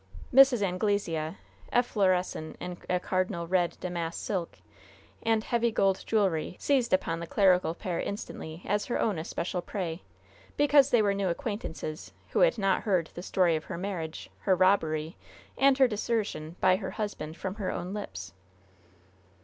Mrs. Anglesea, efflorescent in a cardinal red damasse silk, and heavy gold jewelry, seized upon the clerical pair instantly as her own especial prey, because they were new acquaintances, who had not heard the story of her marriage, her robbery and her desertion by her husband, from her own lips.